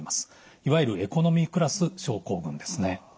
いわゆるエコノミークラス症候群ですね。